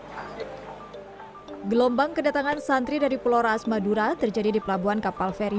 hai gelombang kedatangan santri dari pulau raas madura terjadi di pelabuhan kapal feri